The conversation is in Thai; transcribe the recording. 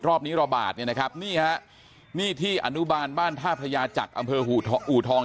รอบนี้ระบาดเนี่ยนะครับนี่ฮะนี่ที่อนุบาลบ้านท่าพระยาจักรอำเภออู่ทอง